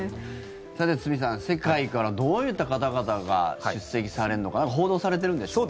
さて、堤さん世界からどういった方々が出席されるのか報道されてるんでしょうか。